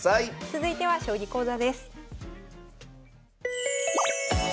続いては将棋講座です。